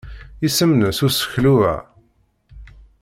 Isem-nnes useklu-a?